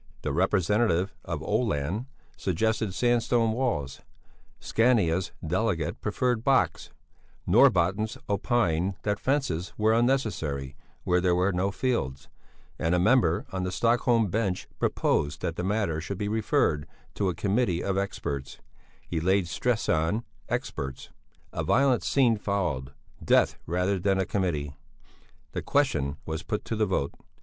The representative for Oeland suggested sandstone walls; Scania's delegate preferred box; Norbotten's opined that fences were unnecessary where there were no fields, and a member on the Stockholm bench proposed that the matter should be referred to a Committee of experts: he laid stress on "experts." A violent scene followed. Death rather than a committee! The question was put to the vote.